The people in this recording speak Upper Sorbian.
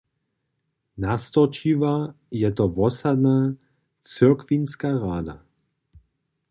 Nastorčiła je to wosadna cyrkwinska rada.